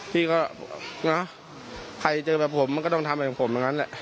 พี่ก็ใครเจอแบบผมมันก็ต้องทำแบบผมเหมือนกันแหละ